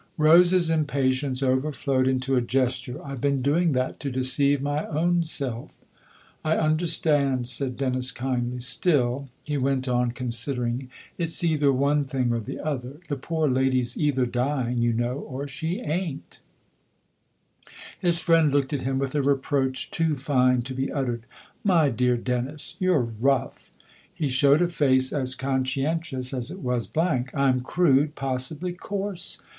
Rose's impatience overflowed into a gesture* " I've been doing that to deceive my own self !" "I understand," said Dennis kindly. "Still," he went on, considering, "it's either one thing or the other. The poor lady's either dying, you know, or she ain't !" THE OTHER HOUSE 63 His friend looked at him with a reproach too fine to be uttered. " My dear Dennis you're rough !" He showed a face as conscientious as it was blank. " I'm crude possibly coarse